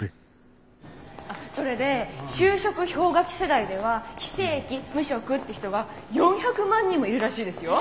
それで就職氷河期世代では非正規無職って人が４００万人もいるらしいですよ。